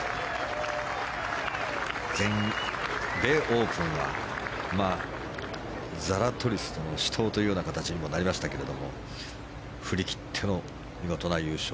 全米オープンはザラトリスとの死闘という形にもなりましたけれども振り切っての見事な優勝。